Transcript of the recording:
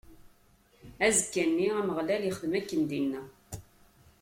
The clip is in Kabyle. Azekka-nni, Ameɣlal ixdem akken i d-inna.